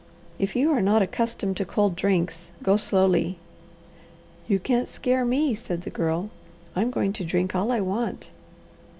If you are not accustomed to cold drinks, go slowly." "You can't scare me," said the Girl; "I'm going to drink all I want."